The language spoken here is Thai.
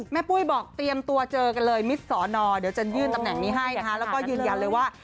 ปุ้ยบอกเตรียมตัวเจอกันเลยมิตรสอนอเดี๋ยวจะยื่นตำแหน่งนี้ให้นะคะแล้วก็ยืนยันเลยว่า